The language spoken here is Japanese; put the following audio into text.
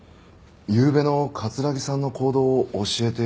ゆうべの城さんの行動を教えて頂けますか？